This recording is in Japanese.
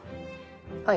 はい。